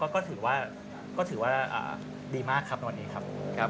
ก็ถือว่าดีมากครับจากตอนนี้ครับ